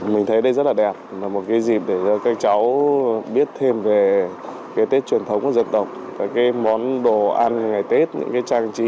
mình thấy đây rất là đẹp là một cái dịp để các cháu biết thêm về cái tết truyền thống của dân tộc các cái món đồ ăn ngày tết những cái trang trí